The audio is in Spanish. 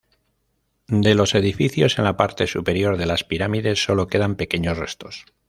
De los edificios en la parte superior de las pirámides, sólo quedan pequeños restos.